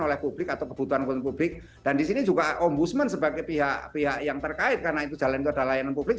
oleh publik atau kebutuhan kebutuhan publik dan disini juga ombudsman sebagai pihak pihak yang terkait karena itu jalan itu adalah layanan publik